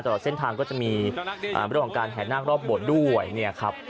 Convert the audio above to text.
ตลอดเส้นทางก็จะมีเรื่องของการแห่นาครอบบทด้วยเนี่ยครับ